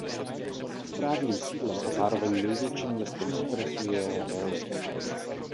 Správním sídlem a zároveň největším městem okresu je Raleigh.